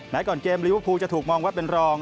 ก่อนเกมลิเวอร์พูลจะถูกมองว่าเป็นรอง